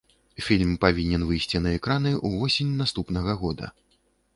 Фільм павінен выйсці на экраны ўвосень наступнага года.